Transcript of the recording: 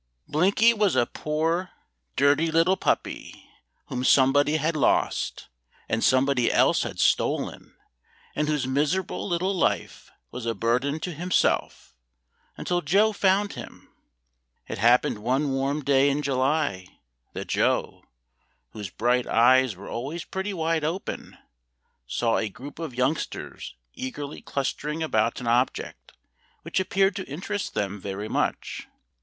Blinky was a poor dirty little puppy whom somebody had lost, and somebody else had stolen, and whose miserable little life was a burden to himself until Joe found him. It happened one warm day in July that Joe, whose bright eyes were always pretty wide open, saw a group of youngsters eagerly clustering about an object which appeared to interest them very much.